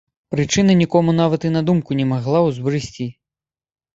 Прычына нікому нават і на думку не магла ўзбрысці.